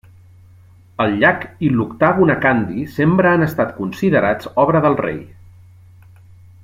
El llac i l'Octàgon a Kandy sempre han estat considerats obra del rei.